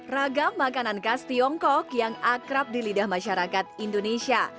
ragam makanan khas tiongkok yang akrab di lidah masyarakat indonesia